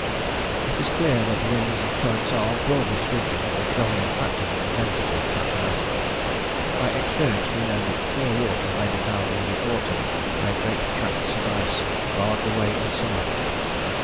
It is clear that winds and currents are, broadly speaking, the governing factors of the density of pack ice. By experience we know that clear water may be found in the autumn where great tracts of ice barred the way in summer.